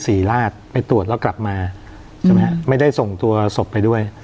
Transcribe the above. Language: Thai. ศรีราชไปตรวจแล้วกลับมาใช่ไหมฮะไม่ได้ส่งตัวศพไปด้วย